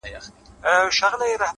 راكيټونو دي پر ما باندي را اوري،